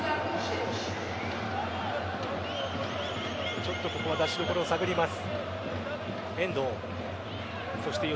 ちょっとここは出しどころを探ります。